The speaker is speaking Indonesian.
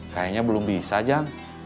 kayaknya belum bisa jang